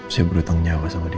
saya berhutang nyawa sama dia